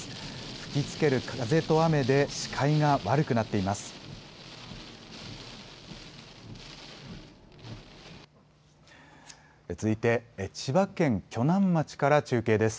吹きつける風と雨で視界が悪くなっています。